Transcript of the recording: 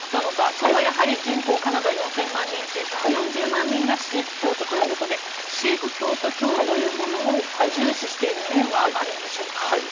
それはやはり人口カナダ４０００万人中１４０万人がシーク教徒ということでシーク教徒票というものを重視している面はあるんでしょうか？